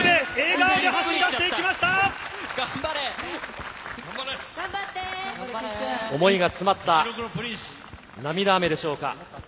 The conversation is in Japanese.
頑張れ！想いが詰まった涙雨でしょうか。